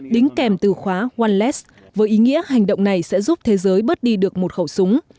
đính kèm từ khóa wallace với ý nghĩa hành động này sẽ giúp thế giới bớt đi được một khẩu súng